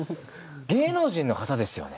「芸能人の方ですよね？」